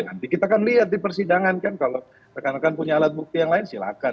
nanti kita akan lihat di persidangan kan kalau rekan rekan punya alat bukti yang lain silahkan